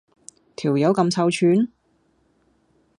條友咁臭串？